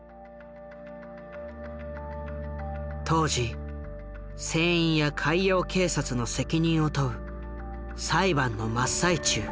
当時船員や海洋警察の責任を問う裁判の真っ最中。